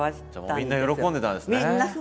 じゃあみんな喜んでたんですね。